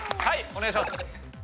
お願いします。